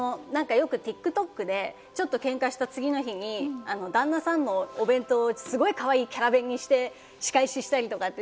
よくＴｉｋＴｏｋでちょっとけんかした次の日に旦那さんのお弁当をすごいかわいいキャラ弁にして、仕返ししたりとかって。